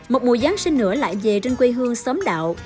một mùa giáng sinh nữa lại về trên quê hương xóm đạo